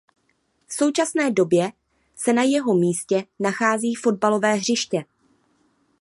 V současné době se na jeho místě nachází fotbalové hřiště.